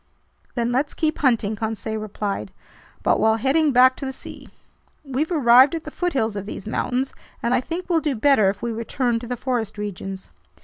"Then let's keep hunting," Conseil replied, "but while heading back to the sea. We've arrived at the foothills of these mountains, and I think we'll do better if we return to the forest regions."